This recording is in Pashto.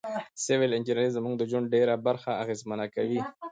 سیول انجنیری زموږ د ژوند ډیره برخه اغیزمنه کوي.